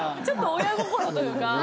ちょっと親心というか。